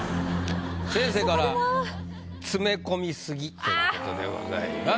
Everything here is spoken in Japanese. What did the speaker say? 先生から「詰め込みすぎ」ということでございます。